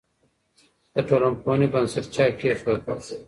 د ټولنپوهنې بنسټ چا کيښود؟